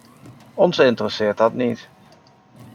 Ons interesseert dat niet.